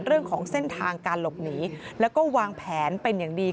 เรื่องของเส้นทางการหลบหนีแล้วก็วางแผนเป็นอย่างดี